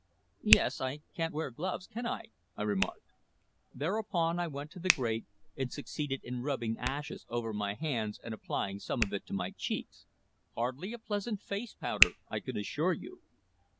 "Yes. I can't wear gloves, can I?" I remarked. Thereupon, I went to the grate and succeeded in rubbing ashes over my hands and applying some of it to my cheeks hardly a pleasant face powder, I can assure you.